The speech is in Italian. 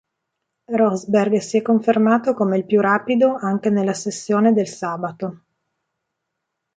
Rosberg si è confermato come il più rapido anche nella sessione del sabato.